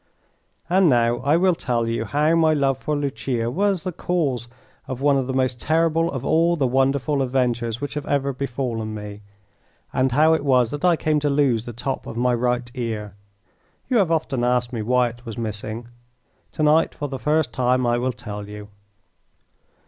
And now I will tell you how my love for Lucia was the cause of one of the most terrible of all the wonderful adventures which have ever befallen me, and how it was that I came to lose the top of my right ear. You have often asked me why it was missing. To night for the first time I will tell you.